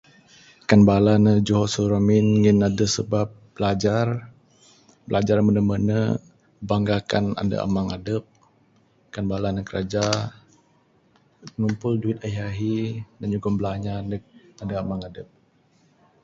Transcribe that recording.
Kan bala ne juho su ramin ngin adeh sebab bilajar, bilajar mene mene banggakan ande amang adep kan bala ne kraja ngumpul duit ahi ahi nan nyugon blanja neg ande amang adep.